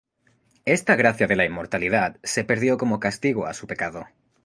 Esta gracia de la inmortalidad se perdió como castigo a su pecado.